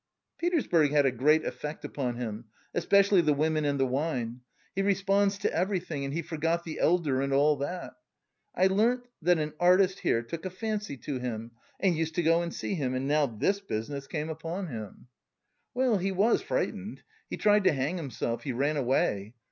[*] A religious sect. TRANSLATOR'S NOTE. "Petersburg had a great effect upon him, especially the women and the wine. He responds to everything and he forgot the elder and all that. I learnt that an artist here took a fancy to him, and used to go and see him, and now this business came upon him. "Well, he was frightened, he tried to hang himself! He ran away!